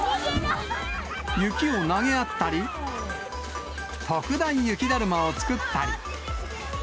雪を投げ合ったり、特大雪だるまを作ったり。